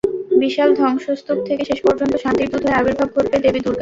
বিশাল ধ্বংসস্তূপ থেকে শেষ পর্যন্ত শান্তির দূত হয়ে আবির্ভাব ঘটবে দেবী দুর্গার।